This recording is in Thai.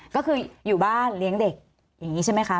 ก็คืออยู่บ้านเลี้ยงเด็กอย่างนี้ใช่ไหมคะ